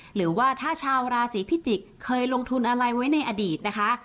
หรือว่าถ้าชาวราศีพิจิกษ์เคยลงทุนอะไรไว้ในอดีตนะคะ